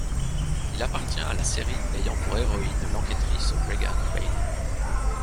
Il appartient à la série ayant pour héroïne l'enquêtrice Regan Reilly.